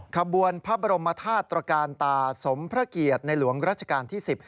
ขบวนพระบรมธาตุตรการตาสมพระเกียรติในหลวงรัชกาลที่๑๐